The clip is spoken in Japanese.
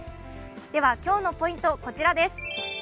では今日のポイント、こちらです。